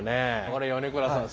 これ米倉さん。